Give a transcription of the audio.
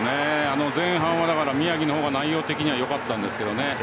前半は宮城のほうが内容的にはよかったんですけどね。